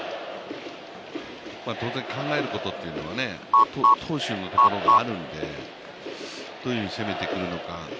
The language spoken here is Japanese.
当然、考えることは投手にはあるのでどういうふうに攻めてくるのか。